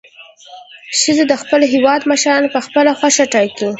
ښځې د خپل هیواد مشران په خپله خوښه ټاکي.